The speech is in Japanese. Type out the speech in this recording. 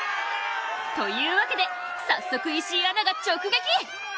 というわけで早速、石井アナが直撃！